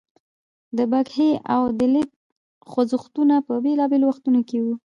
د بکهتي او دلیت خوځښتونه په بیلابیلو وختونو کې وو.